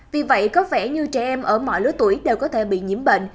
vì vậy có vẻ như trẻ em ở mọi lứa tuổi đều có thể bị nhiễm bệnh